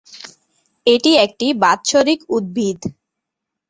এটি একটি বাৎসরিক উদ্ভিদ।